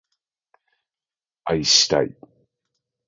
愛したい